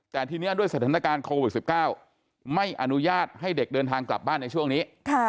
แต่ทีนี้ด้วยสถานการณ์โควิด๑๙ไม่อนุญาตให้เด็กเดินทางกลับบ้านในช่วงนี้